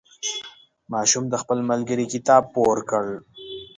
ماشوم د خپل ملګري کتاب پور کړ.